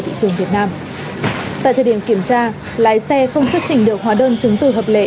thị trường việt nam tại thời điểm kiểm tra lái xe không xuất trình được hóa đơn chứng từ hợp lệ